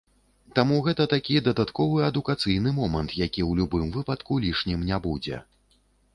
Таму гэта такі дадатковы адукацыйны момант, які ў любым выпадку лішнім не будзе.